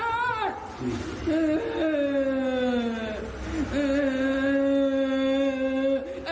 อื้ออื้อ